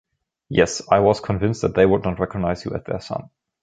Yes, I was convinced that they would not recognize you as their son.